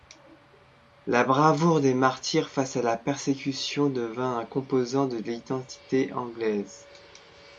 La bravoure des martyrs face à la persécution devint un composant de l'identité anglaise.